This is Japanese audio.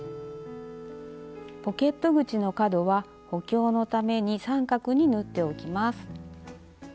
ポケット口の角は補強のために三角に縫っておきます。